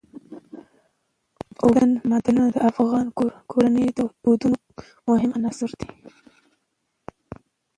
اوبزین معدنونه د افغان کورنیو د دودونو مهم عنصر دی.